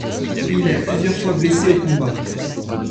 Il est plusieurs fois blessé au combat.